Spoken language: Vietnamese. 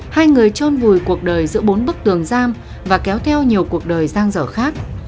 hai người trôn vùi cuộc đời giữa bốn bức tường giam và kéo theo nhiều cuộc đời giang dở khác